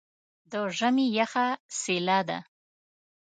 د ژمي یخه څیله ده.